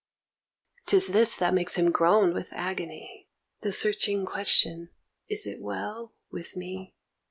'Tis this that makes him groan with agony, The searching question 'Is it well with me?'